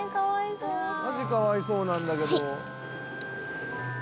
マジかわいそうなんだけど。